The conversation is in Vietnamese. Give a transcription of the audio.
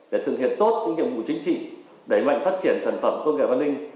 để thực hiện tốt những nhiệm vụ chính trị đẩy mạnh phát triển sản phẩm công nghệ văn linh